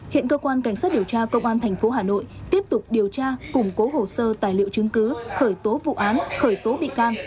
hiện cơ quan cảnh sát điều tra công an tp hà nội tiếp tục điều tra củng cố hồ sơ tài liệu chứng cứ khởi tố vụ án khởi tố bị can